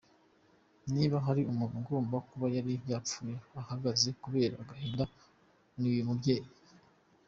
Niba hari umuntu ugomba kuba yari yarapfuye ahagaze kubera agahinda, ni uyu mubyeyi.